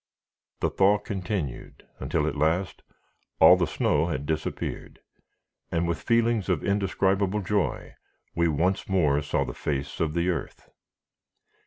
The thaw continued, until at last all the snow had disappeared, and with feelings of indescribable joy, we once more saw the face of the earth.